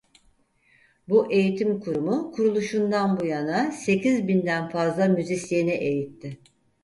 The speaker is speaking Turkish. Bu eğitim kurumu kuruluşundan bu yana sekiz binden fazla müzisyeni eğitti.